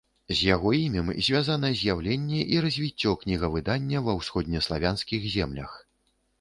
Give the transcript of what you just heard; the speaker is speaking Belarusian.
З яго імем звязана з'яўленне і развіццё кнігавыдання ва ўсходнеславянскіх землях.